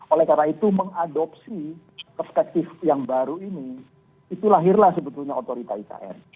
oleh karena itu mengadopsi perspektif yang baru ini itu lahirlah sebetulnya otorita ikn